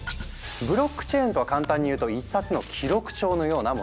ブロックチェーンとは簡単に言うと一冊の記録帳のようなもの。